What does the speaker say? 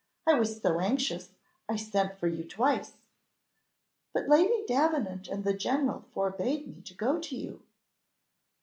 I was so anxious, I sent for you twice." "But Lady Davenant and the general forbade me to go to you."